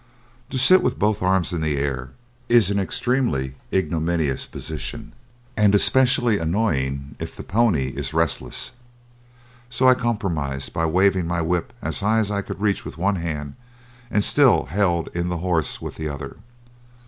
To sit with both arms in the air is an extremely ignominious position, and especially annoying if the pony is restless, so I compromised by waving my whip as high as I could reach with one hand, and still held in the horse with the other.